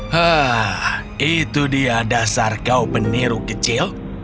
hah itu dia dasar kau peniru kecil